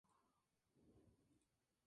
Su sede está en Lausana.